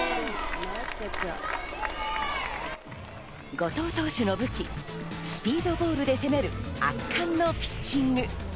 後藤投手の武器、スピードボールで攻める圧巻のピッチング。